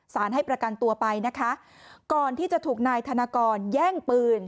ให้ประกันตัวไปนะคะก่อนที่จะถูกนายธนกรแย่งปืน